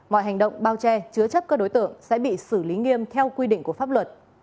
mọi hành động bao che chứa chấp các đối tượng sẽ bị xử lý nghiêm theo quy định của pháp luật